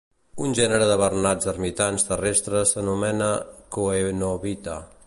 Un gènere de bernats ermitans terrestres s'anomena Coenobita.